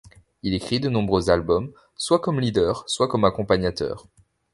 Il écrit de nombreux albums, soit comme leader, soit comme accompagnateur.